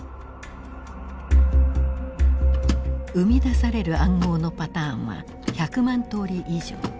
生み出される暗号のパターンは１００万通り以上。